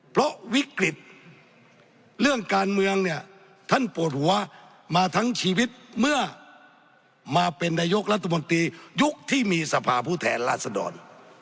เพราะวิกฤตเรื่องการเมืองเนี่ยท่านปวดหัวมาทั้งชีวิตเมื่อมาเป็นนายกรัฐมนตรียุคที่มีสภาผู้แทนราชดร